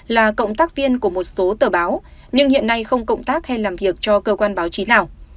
là cộng tác viên của một số tờ báo nhưng hiện nay không cộng tác hay làm việc cho cơ quan báo chí nào